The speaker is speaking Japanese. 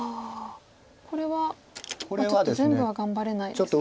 これはちょっと全部は頑張れないですか。